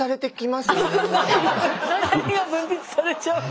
何が分泌されちゃうの？